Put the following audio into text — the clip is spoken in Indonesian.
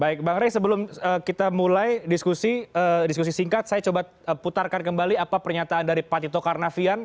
baik bang ray sebelum kita mulai diskusi diskusi singkat saya coba putarkan kembali apa pernyataan dari patito karnavian